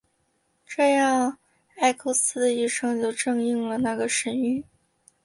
这样埃勾斯的一生就正应了那个神谕。